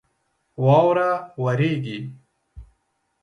واوره وریږي